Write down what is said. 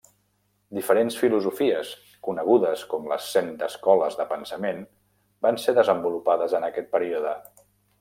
Diferents filosofies, conegudes com les Cent Escoles de Pensament, van ser desenvolupades en aquest període.